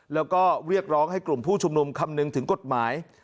แล้วก็เรียกร้องให้กลุ่มผู้ชุมนุมคำนึงถึงกฎหมาย